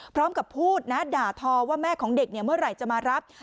พร้อมกับพูดนะด่าทอว่าแม่ของเด็กเนี่ยเมื่อไหร่จะมารับ